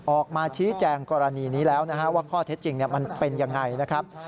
ออกมาชี้แจงกรณีนี้แล้วว่าข้อเท็จจริงมันเป็นอย่างไร